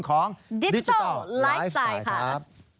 โปรดติดตามตอนต่อไป